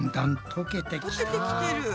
とけてきてる。